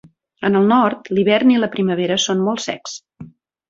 En el nord, l'hivern i la primavera són molt secs.